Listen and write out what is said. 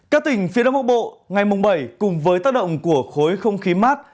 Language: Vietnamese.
các tỉnh phía đông bắc bộ ngày mùng bảy cùng với tác động của khối không khí mát